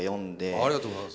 ありがとうございます。